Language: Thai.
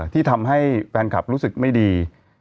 ที่ทำให้แฟนคลับรู้สึกไม่ดี